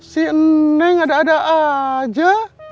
si neng ada ada aja